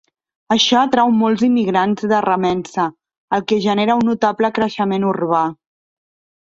Això atrau molts immigrants de remença, el que genera un notable creixement urbà.